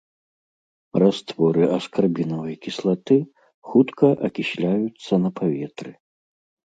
Растворы аскарбінавай кіслаты хутка акісляюцца на паветры.